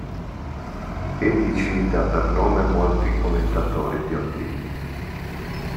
Egli cita per nome molti commentatori più antichi.